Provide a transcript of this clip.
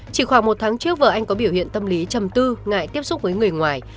chỉ khoảng một tháng trước vợ anh có biểu hiện tâm lý chầm tư ngại tiếp xúc với người ngoài